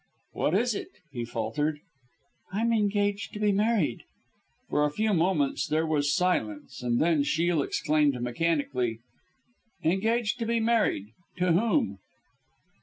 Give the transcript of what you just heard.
"What is it?" he faltered. "I'm engaged to be married." For a few moments there was silence, and then Shiel exclaimed mechanically "Engaged to be married! To whom?"